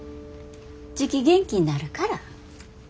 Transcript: じき元気になるから。